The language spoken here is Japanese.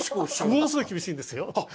ものすごい厳しいんですよ。